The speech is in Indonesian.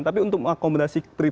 tapi untuk mengakomodasi freeport ini